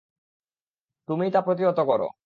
তুমিই তা প্রতিহত কর।